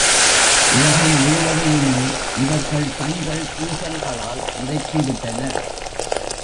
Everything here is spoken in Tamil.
உலகம் முழுவதையுமே இவர்கள் தங்கள் பூசல்களால் நிரப்பிவிட்டனர்.